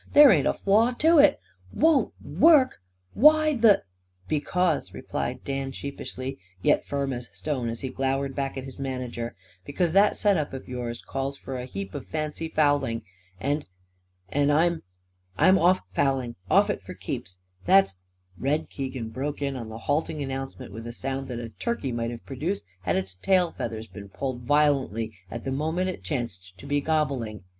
There ain't a flaw to it. Won't work, hey? Why the " "Because," replied Dan sheepishly, yet firm as stone, as he glowered back at his manager, "because that set up of yours calls for a heap of fancy fouling. And and I'm I'm off fouling. Off it for keeps. That's " Red Keegan broke in on the halting announcement with a sound that a turkey might have produced had its tail feathers been pulled violently at the moment it chanced to be gobbling.